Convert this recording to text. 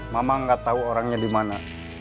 mamang gak tau orangnya dimana